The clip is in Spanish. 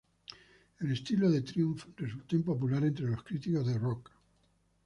El estilo de Triumph resultó impopular entre los críticos de rock.